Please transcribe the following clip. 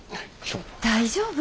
大丈夫？